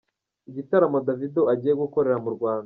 Igitaramo Davido agiye gukorera mu Rwanda.